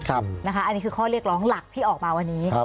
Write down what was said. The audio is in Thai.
อันนี้คือข้อเรียกร้องหลักที่ออกมาวันนี้